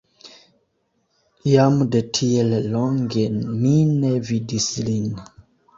Jam de tiel longe mi ne vidis lin.